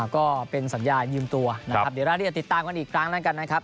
ก็เป็นสัญญายืมตัวนะครับเดี๋ยวรายละเอียดติดตามกันอีกครั้งแล้วกันนะครับ